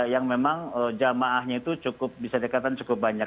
yang memang jamaahnya itu cukup bisa dikatakan cukup banyak